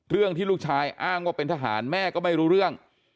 เรื่องที่ลูกชายอ้างว่าเป็นทหารแม่ก็ไม่รู้เรื่อง